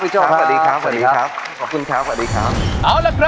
จ้าวรอคอย